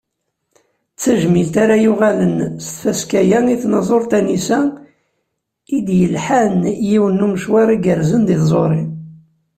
D tajmilt ara yuɣalen s tfaska-a i tnaẓurt Anisa i d-yelḥan yiwen n umecwar igerrzen di tẓuri.